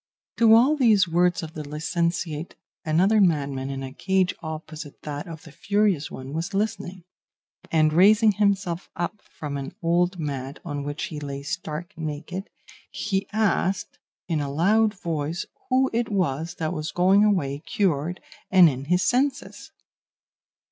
"To all these words of the licentiate another madman in a cage opposite that of the furious one was listening; and raising himself up from an old mat on which he lay stark naked, he asked in a loud voice who it was that was going away cured and in his senses.